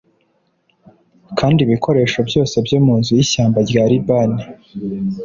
kandi ibikoresho byose byo mu Nzu y Ishyamba rya Libani